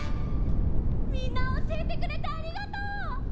みんなおしえてくれてありがとう！